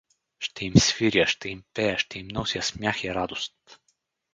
— Ще им свиря, ще им пея, ще им нося смях и радост.